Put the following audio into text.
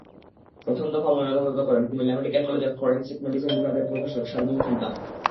প্রথম দফা ময়নাতদন্ত করেন কুমিল্লা মেডিকেল কলেজের ফরেনসিক মেডিসিন বিভাগের প্রভাষক শারমিন সুলতানা।